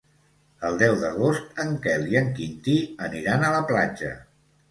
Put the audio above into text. El deu d'agost en Quel i en Quintí aniran a la platja.